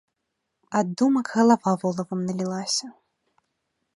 Ад думак галава волавам налілася.